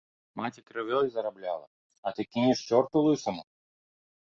Маці крывёй зарабляла, а ты кінеш чорту лысаму.